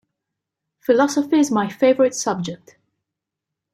Philosophy is my favorite subject.